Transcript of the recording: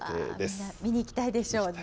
みんな見に行きたいでしょうね。